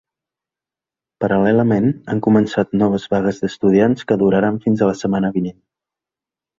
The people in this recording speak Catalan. Paral·lelament, han començat noves vagues d’estudiants que duraran fins a la setmana vinent.